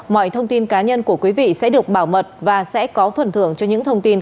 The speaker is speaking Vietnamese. mọi thông tin cá nhân của quý vị sẽ được bảo mật và sẽ có phần thưởng cho những thông tin